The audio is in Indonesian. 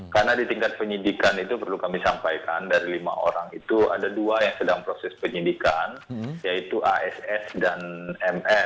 karena di tingkat penyidikan itu perlu kami sampaikan dari lima orang itu ada dua yang sedang proses penyidikan yaitu ass dan mn